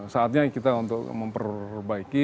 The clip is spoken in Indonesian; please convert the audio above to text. saatnya kita untuk memperbaiki